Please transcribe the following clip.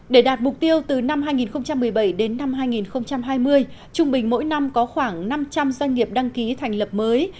để đạt mục tiêu từ năm hai nghìn một mươi bảy đến năm hai nghìn hai mươi trung bình mỗi năm có khoảng năm trăm linh doanh nghiệp đăng ký thành lập mới